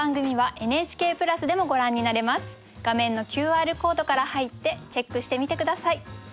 画面のＱＲコードから入ってチェックしてみて下さい。